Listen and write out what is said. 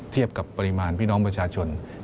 เทียบกับปริมาณพี่น้องประชาชน